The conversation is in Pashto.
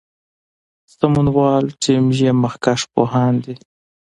سمونوال ټیم یې مخکښ پوهان دي.